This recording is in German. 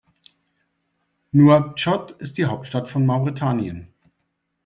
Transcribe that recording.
Nouakchott ist die Hauptstadt von Mauretanien.